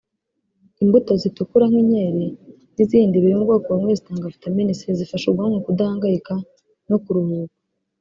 Imbuto zitukura nk’inkeri n’izindi biri mu bwoko bumwe zitanga vitamini C zifasha ubwonko kudahangayika no kuruhuka